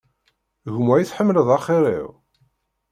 Gma i tḥemmleḍ axir-iw?